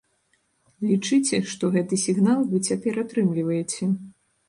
Лічыце, што гэты сігнал вы цяпер атрымліваеце.